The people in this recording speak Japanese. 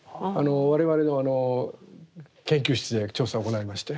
我々の研究室で調査を行いまして。